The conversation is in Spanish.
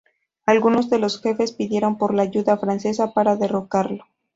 Algunos de los jefes pidieron por la ayuda francesa para derrocarlo.